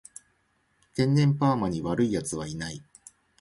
天然パーマに悪い奴はいない